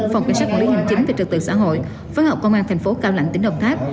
phòng cảnh sát quản lý hành chính về trật tự xã hội phối hợp công an thành phố cao lãnh tỉnh đồng tháp